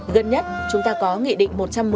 gần nhất chúng ta có nghị định một trăm một mươi